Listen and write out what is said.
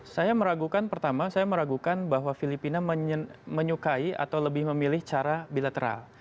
saya meragukan pertama saya meragukan bahwa filipina menyukai atau lebih memilih cara bilateral